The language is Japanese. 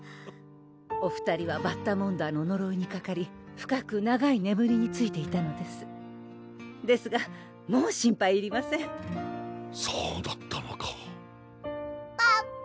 お２人はバッタモンダーののろいにかかり深く長いねむりについていたのですですがもう心配いりませんそうだったのかぱぱ！